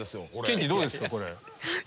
ケンティーどうですか？